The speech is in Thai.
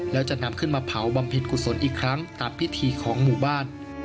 แล้วจะนำขึ้นมาเผาบำเพ็ญกุศลอีกครั้งตามพิธีของหมู่บ้าน